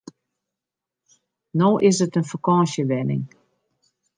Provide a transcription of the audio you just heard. No is it in fakânsjewenning.